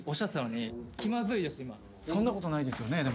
そんなことないですよね？